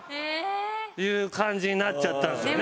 いう感じになっちゃったんですよね。